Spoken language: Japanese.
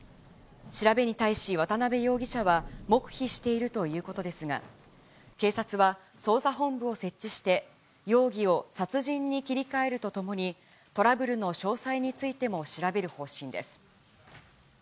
調べに対し、渡辺容疑者は黙秘しているということですが、警察は、捜査本部を設置して、容疑を殺人に切り替えるとともにトラブルの詳細についても調べる方針です。